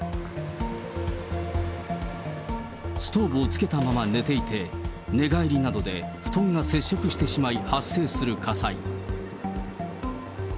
ストーブをつけたまま寝ていて、寝返りなどで布団が接触してしまい、発生する火災。